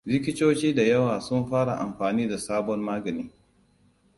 Likitoci da yawa sun fara amfani da sabon magani.